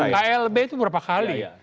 klb itu berapa kali